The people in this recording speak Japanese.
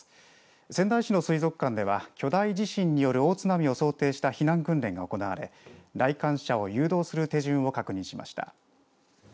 仙台市の水族館では巨大地震による大津波を想定した避難訓練が行われ来館者を誘導する手順を確認しました。